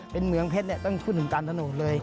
เป็นเหมืองเพชรต้องขึ้นถึงตาลธนตรงนี้เลย